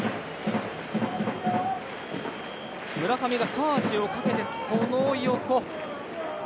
村上がチャージをかけてその横。